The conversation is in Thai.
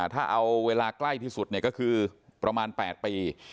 ถ้าเอาเวลาใกล้ที่สุดก็คือประมาณ๘ปี